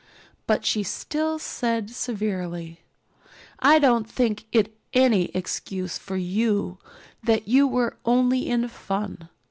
But she still said severely: "I don't think it is any excuse for you that you were only in fun.